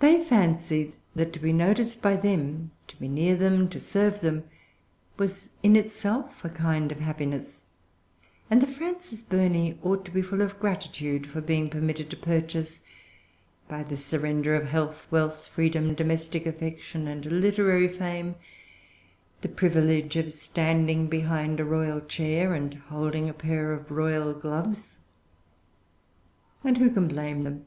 They fancied that to be noticed by them, to be near them, to serve them, was in itself a kind of happiness; and that Frances Burney ought to be full of gratitude for being permitted to purchase, by the surrender of health, wealth, freedom, domestic affection, and literary fame, the privilege of standing behind a royal chair, and holding a pair of royal gloves.[Pg 361] And who can blame them?